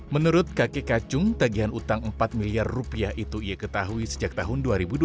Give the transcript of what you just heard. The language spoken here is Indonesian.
menurut kakek kacung tagihan utang empat miliar rupiah itu ia ketahui sejak tahun dua ribu dua belas